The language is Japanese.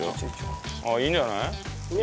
あっいいんじゃない？